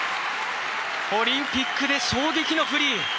オリンピックで衝撃のフリー！